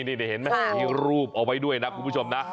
นี่เห็นมั้ยมีรูปออกไปด้วยนะคุณผู้ชมนะ